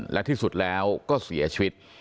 และที่สุดแล้วก็เสียชีวิต